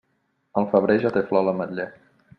Al febrer, ja té flor l'ametler.